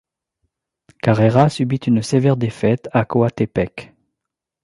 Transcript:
Carrera subit une sévère défaite à Coatepeque.